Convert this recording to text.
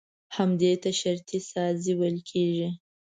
همدې ته شرطي سازي ويل کېږي.